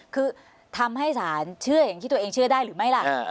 คือทำให้ศาลเชื่ออย่างที่ตัวเองเชื่อได้หรือไม่ล่ะ